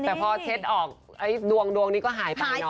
แต่พอเช็ดออกดวงนี้ก็หายไปเนาะ